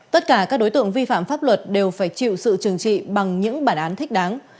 tất cả các đối tượng vi phạm pháp luật đều phải chịu sự trừng trị bằng những bản án thích đáng